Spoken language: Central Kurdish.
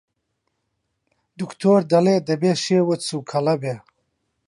دکتۆر دەڵێ دەبێ شێوت سووکەڵە بێ!